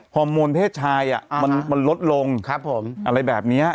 ฮอร์โมนเพศชายอ่ะมันลดลงอะไรแบบเนี้ย